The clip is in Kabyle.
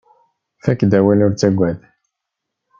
Fakk-d awal ur ttagad.